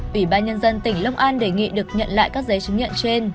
ủy ban nhân dân tỉnh long an đề nghị được nhận lại các giấy chứng nhận trên